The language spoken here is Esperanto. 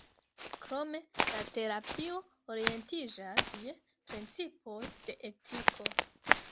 Krome la terapio orientiĝas je principoj de etiko.